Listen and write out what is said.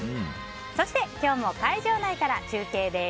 そして今日も会場内から中継です。